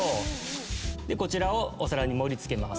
でこちらをお皿に盛り付けます。